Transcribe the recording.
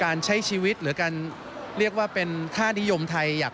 การใช้ชีวิตหรือการเรียกว่าเป็นค่านิยมไทยอยาก